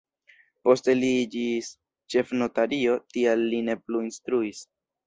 Poste li iĝis ĉefnotario, tial li ne plu instruis.